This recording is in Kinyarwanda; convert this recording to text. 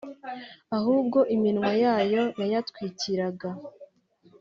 ahubwo iminwa yayo yayatwikiraga